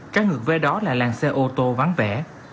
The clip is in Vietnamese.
trái ngược về đó là làng xe ô tô vắng vẻ